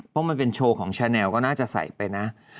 เพราะมันเป็นโชว์ของชาแนลก็น่าจะใส่ไปนะ